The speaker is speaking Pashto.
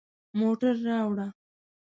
موټر راوړه